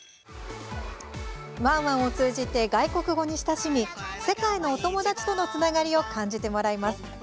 ワンワンを通じて外国語に親しみ世界のお友達とのつながりを感じてもらいます。